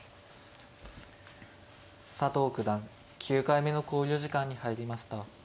佐藤九段９回目の考慮時間に入りました。